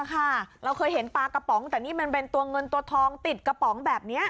เราเคยเห็นปลากระป๋องแต่นี่มันเป็นตัวเงินตัวทองติดกระป๋องแบบนี้